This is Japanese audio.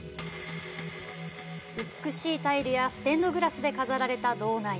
美しいタイルやステンドグラスで飾られた堂内。